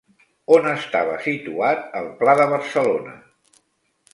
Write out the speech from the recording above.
On estava situat el Pla de Barcelona?